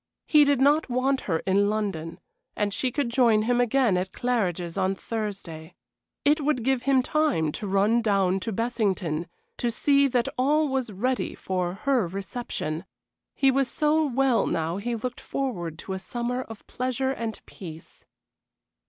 He did not want her in London, and she could join him again at Claridge's on Thursday. It would give him time to run down to Bessington to see that all was ready for her reception. He was so well now he looked forward to a summer of pleasure and peace.